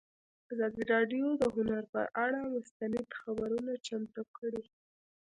ازادي راډیو د هنر پر اړه مستند خپرونه چمتو کړې.